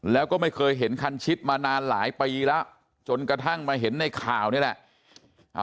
แล้วก็ไม่เคยเห็นคันชิดมานานหลายปีแล้วจนกระทั่งมาเห็นในข่าวนี่แหละ